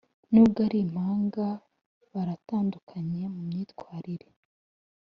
nubwo ari impanga baratandukanye mu myitwarire